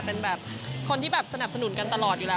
เป็นแบบคนที่แบบสนับสนุนกันตลอดอยู่แล้ว